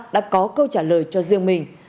đã có câu trả lời cho riêng mình